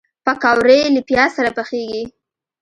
پکورې له پیاز سره پخېږي